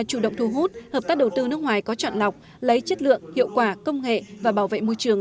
chủ động thu hút hợp tác đầu tư nước ngoài có chọn lọc lấy chất lượng hiệu quả công nghệ và bảo vệ môi trường